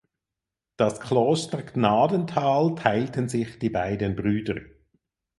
Das Kloster Gnadental teilten sich die beiden Brüder.